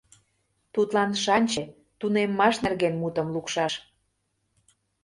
Тудлан шанче, тунеммаш нерген мутым лукшаш.